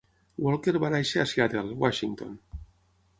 Walker va néixer a Seattle, Washington.